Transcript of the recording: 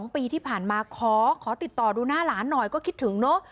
๒ปีที่ผ่านมาขอติดต่อดูหน้าหลานหน่อยก็คิดถึงเนอะ